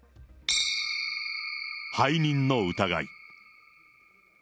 背任の疑い。